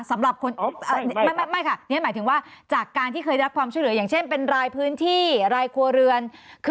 สำหรับคนไม่ค่ะนี่หมายถึงว่าจากการที่เคยรับความช่วยเหลืออย่างเช่นเป็นรายพื้นที่รายครัวเรือน